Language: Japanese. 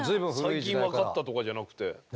最近分かったとかじゃなくて。